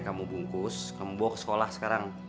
kamu bungkus kamu bawa ke sekolah sekarang